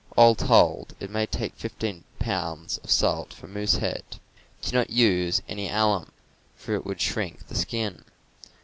All told, it may take fifteen pounds of salt for a moose head. Do not use any alum, for it would shrink the skin.